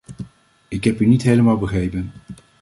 Ik heb u niet helemaal begrepen.